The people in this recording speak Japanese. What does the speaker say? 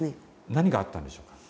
何があったんでしょうか？